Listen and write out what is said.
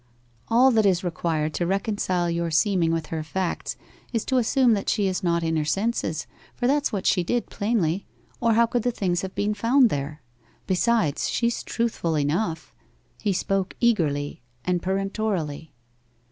'All that is required to reconcile your seeming with her facts is to assume that she was not in her senses, for that's what she did plainly, or how could the things have been found there? Besides, she's truthful enough.' He spoke eagerly and peremptorily.